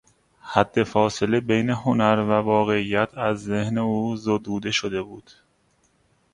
حدفاصل بین هنر و واقعیت از ذهن او زدوده شده بود.